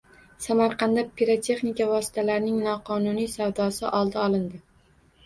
Samarqandda pirotexnika vositalarining noqonuniy savdosi oldi olindi